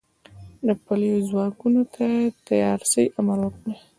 د پلیو ځواکونو ته د تیارسئ امر وکړ.